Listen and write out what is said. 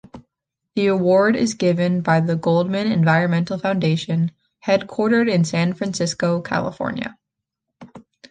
The award is given by the Goldman Environmental Foundation headquartered in San Francisco, California.